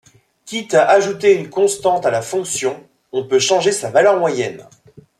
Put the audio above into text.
Quitte à ajouter une constante à la fonction, on peut changer sa valeur moyenne.